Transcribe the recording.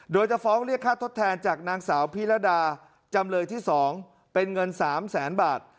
โดยจะฟ้องเรียกค่าทดแทนจากนางสาวพิรดาจำเลยที่๒เป็นเงิน๓แสนบาท